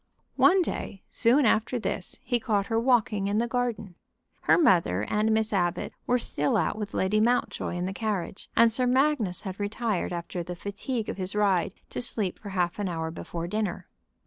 One day soon after this he caught her walking in the garden. Her mother and Miss Abbot were still out with Lady Mountjoy in the carriage, and Sir Magnus had retired after the fatigue of his ride to sleep for half an hour before dinner.